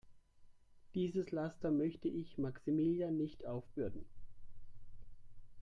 Dieses Laster möchte ich Maximilian nicht aufbürden.